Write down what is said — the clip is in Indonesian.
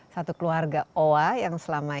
satu keluarga owa' yang selama